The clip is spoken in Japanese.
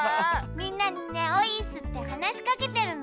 みんなにね「オイーッス」ってはなしかけてるの。